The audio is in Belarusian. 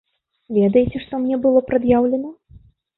Ведаеце, што мне было прад'яўлена?